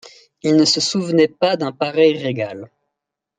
Ils ne se souvenaient pas d’un pareil régal.